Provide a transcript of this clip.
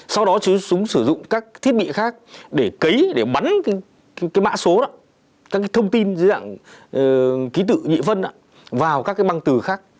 sau đó chúng sử dụng các thiết bị khác để cấy để bắn cái mã số đó các thông tin dưới dạng ký tự nhị vân vào các băng từ khác